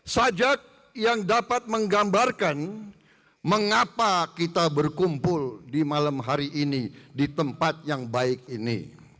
sajak yang dapat menggambarkan mengapa kita berkumpul di malam hari ini di tempat yang baik ini